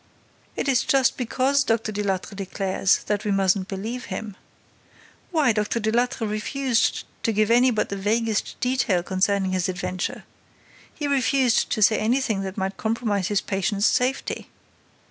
"It is just because Dr. Delattre declares that we mustn't believe him. Why, Dr. Delattre refused to give any but the vaguest details concerning his adventure! He refused to say anything that might compromise his patient's safety!